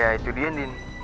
ya itu dia andin